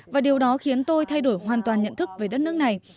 và điều đó khiến tôi thay đổi hoàn toàn nhận thức về đất nước này